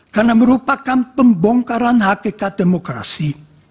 karena merupakan pembongkaran hakikat demokrasi